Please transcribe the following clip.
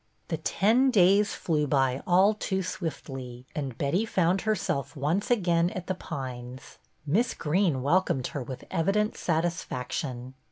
II i 62 BETTY BAIRD The ten days flew by all too swiftly, and Betty found herself once again at The Pines. Miss Greene welcomed her with evident satisfaction.